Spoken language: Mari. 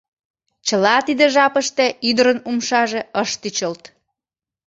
Чыла тиде жапыште ӱдырын умшаже ыш тӱчылт.